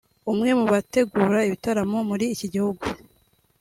umwe mu bategura ibitaramo muri iki gihugu